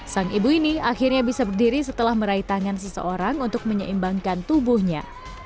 sang ibu ini akhirnya bisa berdiri setelah meraih tangan seseorang untuk menyeimbangkan tubuhnya